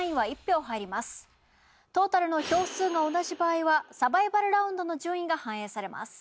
トータルの票数が同じ場合はサバイバルラウンドの順位が反映されます